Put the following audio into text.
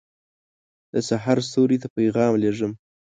دسحرستوري ته پیغام لېږم